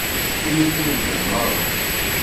Init i medden meṛṛa.